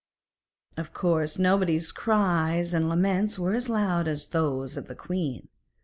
Of course nobody's cries and laments were as loud as those of the queen.